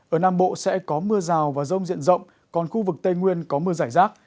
ở nam bộ sẽ có mưa rào và rông diện rộng còn khu vực tây nguyên có mưa giải rác